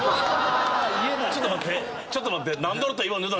ちょっと待って！